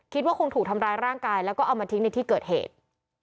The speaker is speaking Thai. คิดว่าคงถูกทำร้ายร่างกายแล้วก็เอามาทิ้งในที่เกิดเหตุ